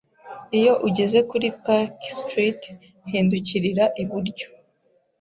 Iyo ugeze kuri Park Street, hindukirira iburyo .